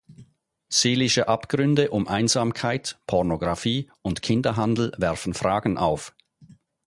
Seelische Abgründe um Einsamkeit, Pornografie und Kinderhandel werfen Fragen auf.